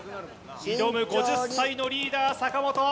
挑む５０歳のリーダー・坂本。